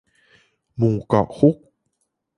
หมู่เกาะคุก